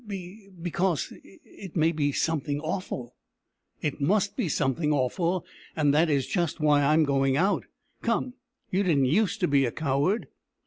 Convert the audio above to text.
"Be because it it may be be something awful!" "It must be something awful, and that is just why I am going out. Come, you didn't use to be a coward."